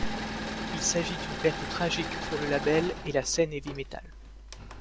Il s'agit d'une perte tragique pour le label et la scène heavy metal.